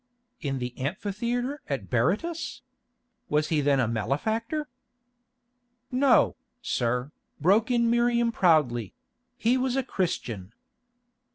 "In the amphitheatre at Berytus? Was he then a malefactor?" "No, sir," broke in Miriam proudly; "he was a Christian."